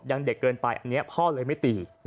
ยังเด็กเกินไปอันนี้พ่อเลยไม่ตี